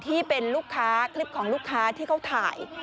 ที่เป็นลูกค้าคลิปของลูกค้าที่เขาถ่าย